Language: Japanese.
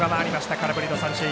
空振りの三振。